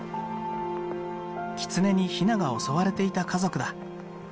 キツネにひなが襲われていた家族だ。